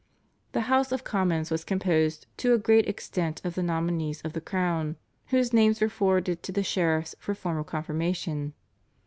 The House of Commons was composed to a great extent of the nominees of the Crown, whose names were forwarded to the sheriffs for formal confirmation.